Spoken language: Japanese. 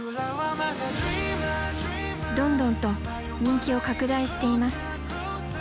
どんどんと人気を拡大しています。